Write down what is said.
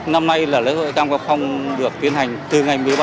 năm nay là lễ hội cam cao phong được tiến hành từ ngày một mươi ba